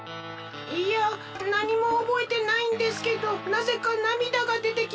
いやなにもおぼえてないんですけどなぜかなみだがでてきました。